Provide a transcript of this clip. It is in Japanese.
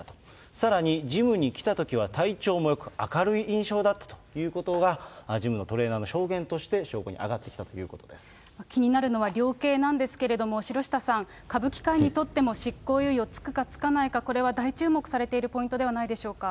さらに、ジムに来たときは体調もよく、明るい印象だったということがジムのトレーナーの証言として証拠気になるのは量刑なんですけれども、城下さん、歌舞伎界にとっても、執行猶予、付くか付かないか、これは大注目されているポイントではないでしょうか。